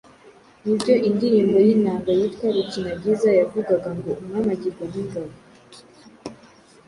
Ni byo indirimbo y'inanga yitwa "Rukinagiza" yavugaga ngo "umwami agirwa n'ingabo".